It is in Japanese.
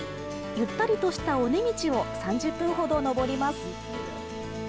ゆったりとした尾根道を３０分ほど登ります